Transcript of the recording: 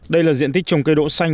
đây là diện tích trồng cây đỗ xanh